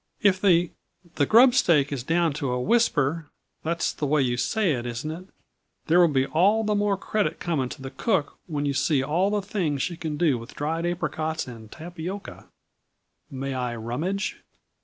"If the the grubstake is down to a whisper (that's the way you say it, isn't it?) there will be all the more credit coming to the cook when you see all the things she can do with dried apricots and tapioca. May I rummage?"